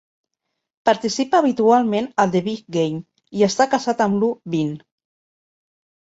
Participa habitualment a "The Big Game" i està casat amb Lu Binh.